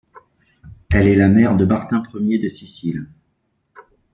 Elle est la mère de Martin Ier de Sicile.